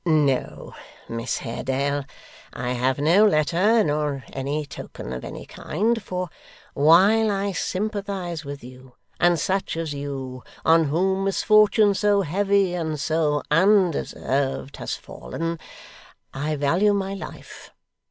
'No, Miss Haredale, I have no letter, nor any token of any kind; for while I sympathise with you, and such as you, on whom misfortune so heavy and so undeserved has fallen, I value my life.